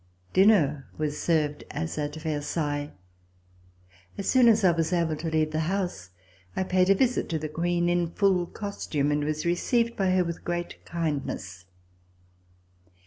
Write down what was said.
Dinner was served as at Versailles. As soon as I was able to leave the house, I paid a visit to the Queen, in full costume, and was received by her with great "kindness.